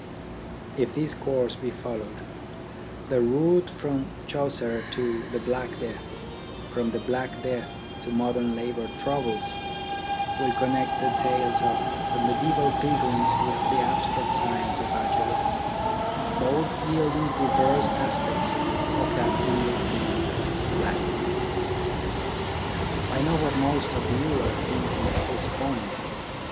If this course be followed, the route from Chaucer to the Black Death, from the Black Death to modern Labour troubles, will connect the tales of the mediaeval pilgrims with the abstract science of algebra, both yielding diverse aspects of that single theme, Life. I know what most of you are thinking at this point.